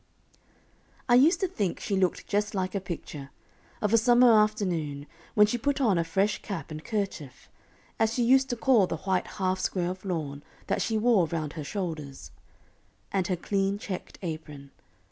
I used to think she looked just like a picture, of a summer afternoon, when she put on a fresh cap and kerchief, as she used to call the white half square of lawn that she wore round her shoulders, and her clean, checked apron.